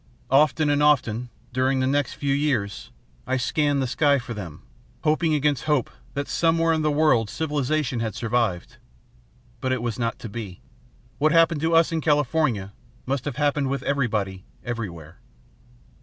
Often and often, during the next few years, I scanned the sky for them, hoping against hope that somewhere in the world civilization had survived. But it was not to be. What happened with us in California must have happened with everybody everywhere.